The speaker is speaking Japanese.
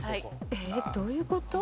えっどういう事？